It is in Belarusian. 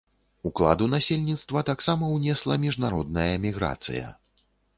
Уклад у насельніцтва таксама ўнесла міжнародная міграцыя.